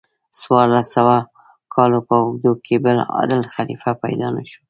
څوارلس سوو کالو په اوږدو کې بل عادل خلیفه پیدا نشو.